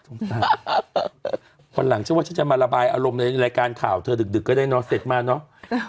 วันหลังฉันว่าฉันจะมาระบายอารมณ์ในรายการข่าวเธอดึกก็ได้นอนเสร็จมาเนอะ